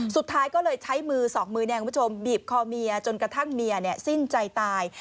สุดท้ายก็เลยใช้มือสองมือเนี่ยคุณผู้ชมบีบคอเมียจนกระทั่งเมียสิ้นใจตาย